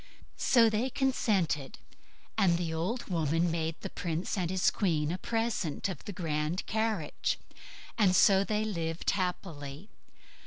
So they consented, and the old woman made the prince and his queen a present of the grand carriage, and so they lived happily.